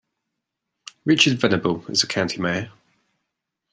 Richard Venable is the county mayor.